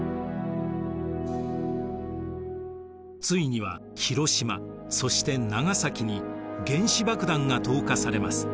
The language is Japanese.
ついには広島そして長崎に原子爆弾が投下されます。